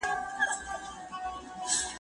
هلته لرې د وحشي طبیعت په غېږ کې